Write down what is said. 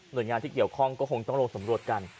โดยงานที่เกี่ยวข้องก็คงต้องลงสำรวจกัน